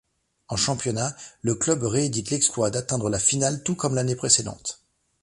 En championnat, le club réédite l'exploit d'atteindre la finale tout comme l'année précédente.